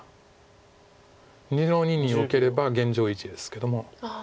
２の二にオケれば現状維持ですけども。